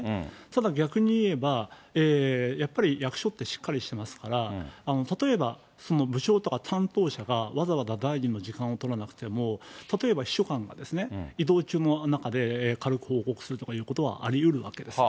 ただ逆にいえば、やっぱり役所ってしっかりしてますから、例えば、その部長とか担当者がわざわざ大臣の時間を取らなくても、例えば秘書官ですね、移動中の中で、軽く報告するということはありうるわけです。